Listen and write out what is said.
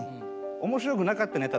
「面白くなかったネタ」